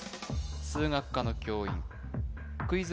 数学科の教員クイズ